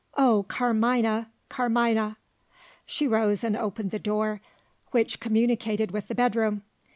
Oh, Carmina! Carmina!" She rose and opened the door which communicated with the bedroom.